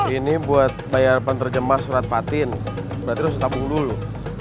ini buat bayar penerjemah surat fatin berarti setabung dulu